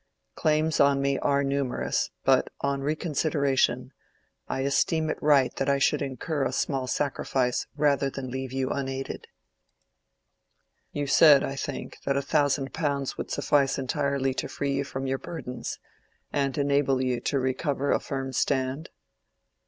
Claims on me are numerous, but on reconsideration, I esteem it right that I should incur a small sacrifice rather than leave you unaided. You said, I think, that a thousand pounds would suffice entirely to free you from your burthens, and enable you to recover a firm stand?"